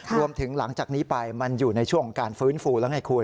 หลังจากนี้ไปมันอยู่ในช่วงของการฟื้นฟูแล้วไงคุณ